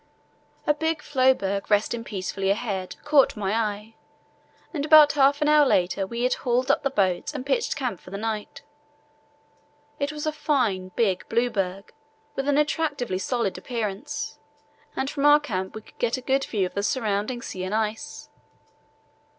A big floeberg resting peacefully ahead caught my eye, and half an hour later we had hauled up the boats and pitched camp for the night. It was a fine, big, blue berg with an attractively solid appearance, and from our camp we could get a good view of the surrounding sea and ice.